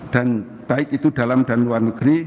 dan baik itu dalam dan luar negeri